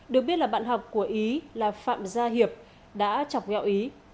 được biết là bạn học của ý là phạm gia hiệp đã chọc gẹo ý